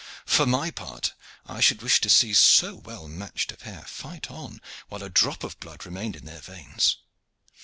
For my part, I should wish to see so well matched a pair fight on while a drop of blood remained in their veins."